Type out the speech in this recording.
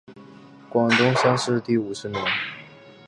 广东乡试第五十名。